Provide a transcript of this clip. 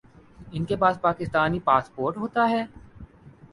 انکے پاس پاکستانی پاسپورٹ ہوتا ہے